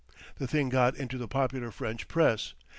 The thing got into the popular French press.